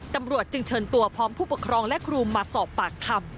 ตำรวจจึงเชิญตัวพร้อมผู้ปกครองและครูมาสอบปากคำ